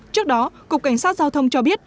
trước đó cục cảnh sát giao thông cho biết